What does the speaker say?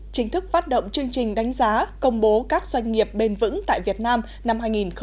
chính thức phát động chương trình đánh giá công bố các doanh nghiệp bền vững tại việt nam năm hai nghìn hai mươi